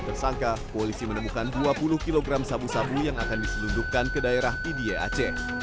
tersangka polisi menemukan dua puluh kg sabu sabu yang akan diselundupkan ke daerah ida aceh